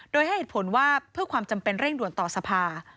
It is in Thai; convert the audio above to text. โดยให้เหตุผลว่าเพื่อความจำเป็นเร่งด่วนต่อสภา